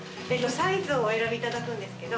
サイズをお選びいただくんですけど。